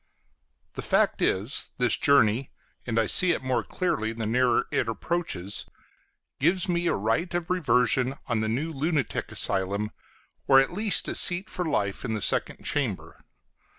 The fact is, this journey, and I see it more clearly the nearer it approaches, gives me a right of reversion on the new lunatic asylum, or at least a seat for life in the Second Chamber.